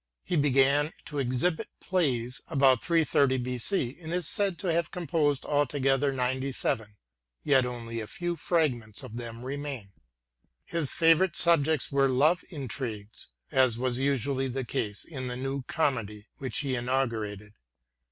He began to exhibit plays about 330 B.C., and is said to have composed altogether ninety seven, yet only a few fragments of them remain. His favorite subjects were love intrigues, as was usually the case in the New Comedy, which he inaugurated.